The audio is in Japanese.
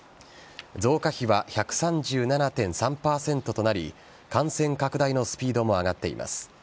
増加比は１３７．３％となり感染拡大のスピードも上がっています。